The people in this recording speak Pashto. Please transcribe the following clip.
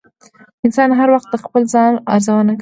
انسان هر وخت د خپل ځان ارزونه کوي.